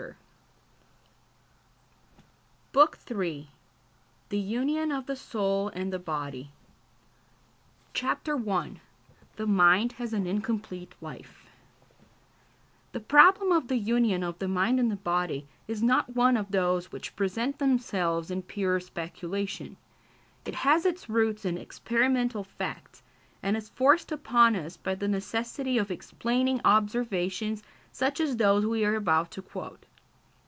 ] BOOK III THE UNION OF THE SOUL AND THE BODY CHAPTER I THE MIND HAS AN INCOMPLETE LIFE The problem of the union of the mind and the body is not one of those which present themselves in pure speculation; it has its roots in experimental facts, and is forced upon us by the necessity of explaining observations such as those we are about to quote.